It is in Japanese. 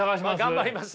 頑張ります？